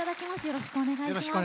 よろしくお願いします。